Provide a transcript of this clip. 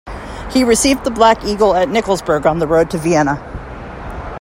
He received the Black Eagle at Nikolsburg on the road to Vienna.